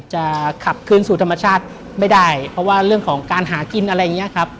จะขับคืนสู่ธรรมชาติไม่ได้เพราะว่าเรื่องของการหากินอะไรอย่างเงี้ยครับ